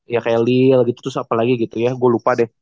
ya kayak lil gitu terus apalagi gitu ya gue lupa deh